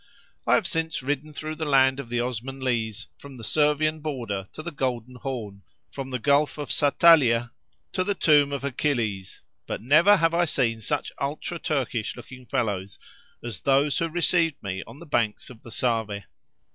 I have since ridden through the land of the Osmanlees, from the Servian border to the Golden Horn—from the Gulf of Satalieh to the tomb of Achilles; but never have I seen such ultra Turkish looking fellows as those who received me on the banks of the Save.